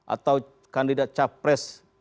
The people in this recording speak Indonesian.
atau kandidat capres